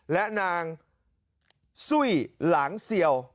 และนางซุ้ยหลางเซียว